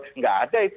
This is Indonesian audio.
tidak ada itu